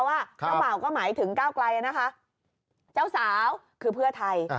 เจ้าบ่าวก็หมายถึงก้าวไกลนะคะเจ้าสาวคือเพื่อไทย